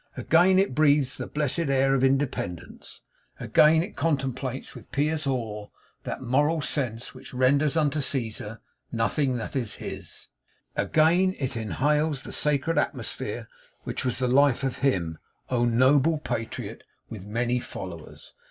Again it breathes the blessed air of Independence; again it contemplates with pious awe that moral sense which renders unto Ceasar nothing that is his; again inhales that sacred atmosphere which was the life of him oh noble patriot, with many followers!